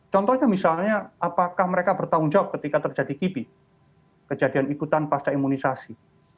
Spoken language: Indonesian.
contohnya misalnya apakah mereka bertanggung jawab ketika terjadi kipi kejadian ikutan pasca imunisasi